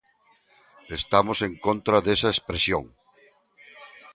Estamos en contra desa expresión.